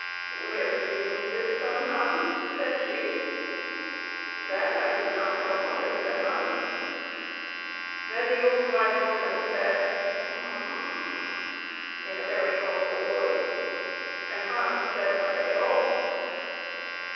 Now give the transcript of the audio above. " Where did you lose it, Son Hans ?" said she. " That I do not know, mother," said Hans. Then the old wise woman said " Hum m m !" in a very thoughtful voice, and Hans said nothing at all.